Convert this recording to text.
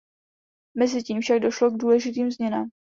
Mezitím však došlo k důležitým změnám.